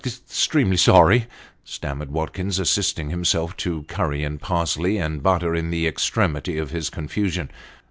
" Extremely sorry;*' stammered Watkins, assisting himself to curry and parsley and butter, in the extremity of his confusion.